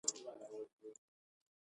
هغې وویل: مس واکر، دا زما نوم دی.